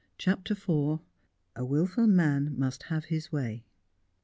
CHAPTER IV ' A WILFUL MAN MUST HAVE HIS WAT.'